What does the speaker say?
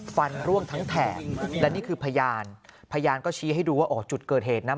ฟันร่วงทั้งแถบและนี่คือพยานพยานก็ชี้ให้ดูว่าอ๋อจุดเกิดเหตุนะ